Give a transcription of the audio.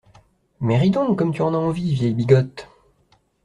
Mais ris donc, comme tu en as envie, vieille bigote!